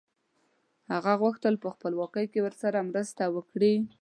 هغه غوښتل په خپلواکۍ کې ورسره مرسته وکړي.